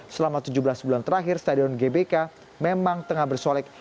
selama tujuh belas bulan terakhir stadion gbk memang tengah bersolek